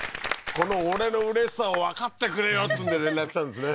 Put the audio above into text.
この俺のうれしさをわかってくれよっつうんで連絡来たんですね